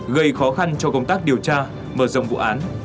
gây khó khăn cho công tác điều tra mở rộng vụ án